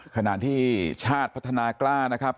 ขณะที่ชาติพัฒนากล้านะครับ